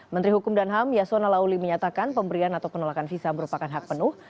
menteri hukum dan ham yasona lauli menyatakan pemberian atau penolakan visa merupakan hak penuh